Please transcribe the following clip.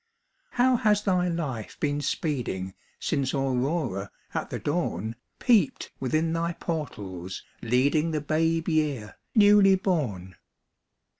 How has thy life been speeding Since Aurora, at the dawn, Peeped within thy portals, leading The babe year, newly born?